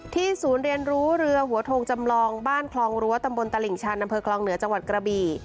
ศูนย์เรียนรู้เรือหัวโทงจำลองบ้านคลองรั้วตำบลตลิ่งชันอำเภอคลองเหนือจังหวัดกระบี่